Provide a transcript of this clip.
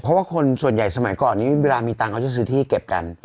เพราะว่าคนส่วนใหญ่สมัยก่อนนี้เวลามีตังค์เขาจะซื้อที่เก็บกัน